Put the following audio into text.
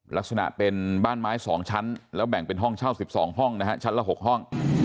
ลักษณะเป็นบ้านไม้๒ชั้นแล้วแบ่งเป็นห้องเช่า๑๒ห้องนะฮะชั้นละ๖ห้อง